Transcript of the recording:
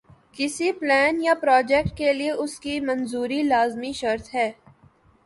کسی پلان یا پراجیکٹ کے لئے اس کی منظوری لازمی شرط ہے۔